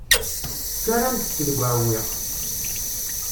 Tettarram-tt deg uɛewwiq.